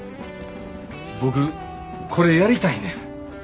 僕これやりたいねん。